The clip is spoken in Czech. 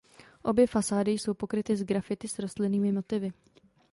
Obě fasády jsou pokryty sgrafity s rostlinnými motivy.